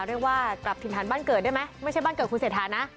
เรียกว่ากลับถิ่นฐานบ้านเกิดได้ไหมไม่ใช่บ้านเกิดคุณเศรษฐานะ